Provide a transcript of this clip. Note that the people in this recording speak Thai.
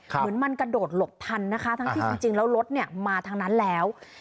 เหมือนมันกระโดดหลบทันนะคะทั้งที่จริงแล้วรถเนี่ยมาทางนั้นแล้ว